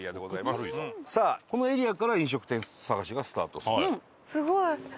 さあこのエリアから飲食店探しがスタートすると。